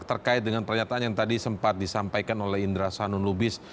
terkait dengan pernyataan yang tadi sempat disampaikan oleh indra sanun lubis